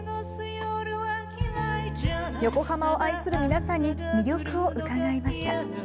横浜を愛する皆さんに魅力を伺いました。